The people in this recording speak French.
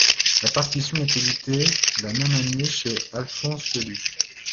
La partition est éditée la même année chez Alphonse Leduc.